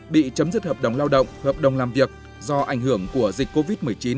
bị chấm dứt hợp đồng lao động hợp đồng làm việc do ảnh hưởng của dịch covid một mươi chín